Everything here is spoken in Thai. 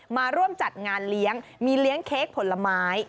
มาร่วมจัดงานเลี้ยงมีเลี้ยงเค้กผลไม้